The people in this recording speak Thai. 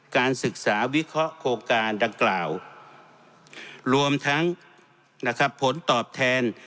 การศึกษาวิเคราะห์โครงการดังกล่าวรวมทั้งนะครับผลตอบแทน